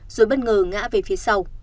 rồi bất ngờ ngã về phía sau